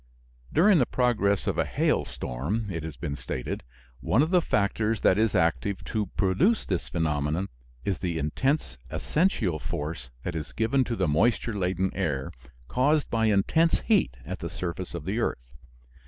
During the progress of a hailstorm, it has been stated, one of the factors that is active to produce this phenomenon is the intense ascensional force that is given to the moisture laden air, caused by intense heat at the surface of the earth.